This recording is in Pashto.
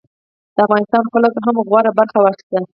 د افغانستان خلکو هم غوره برخه واخیسته.